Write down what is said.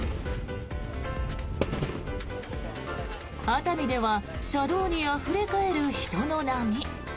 熱海では車道にあふれ返る人の波。